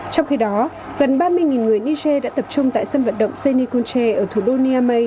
trong khi đó gần ba mươi người niger đã tập trung tại sân vận động senikunche ở thủ đô niamey